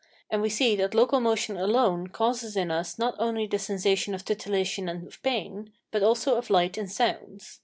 And we see that local motion alone causes in us not only the sensation of titillation and of pain, but also of light and sounds.